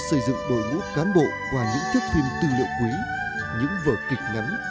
họ xây dựng đội ngũ cán bộ qua những thiết phim tư liệu quý những vở kịch ngắn